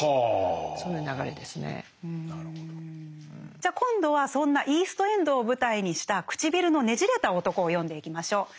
じゃあ今度はそんなイースト・エンドを舞台にした「唇のねじれた男」を読んでいきましょう。